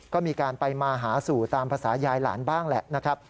ก็มีการไปมาหาสู่ตามภาษายายหลานบ้างแหละนะครับ